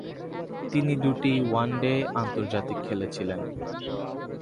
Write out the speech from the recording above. তিনি দুটি ওয়ানডে আন্তর্জাতিক খেলেছিলেন।